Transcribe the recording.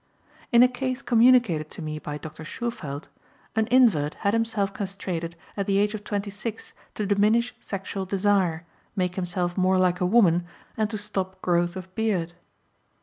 In a case communicated to me by Dr. Shufeldt, an invert had himself castrated at the age of 26 to diminish sexual desire, make himself more like a woman, and to stop growth of beard.